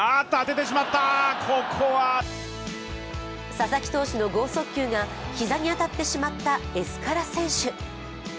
佐々木投手の剛速球が膝に当たってしまったエスカラ選手。